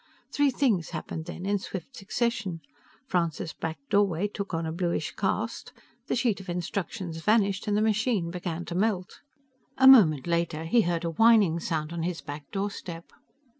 Three things happened then in swift succession: Francis' back doorway took on a bluish cast, the sheet of instructions vanished, and the machine began to melt. A moment later he heard a whining sound on his back doorstep.